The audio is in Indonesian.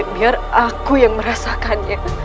biar aku yang merasakannya